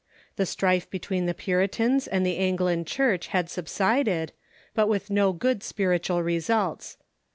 The strife between the Puritans and the Anglican Church had subsided, but with 348 THE MODERN CHURCH no good spiritual results.